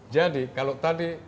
jadi kalau tadi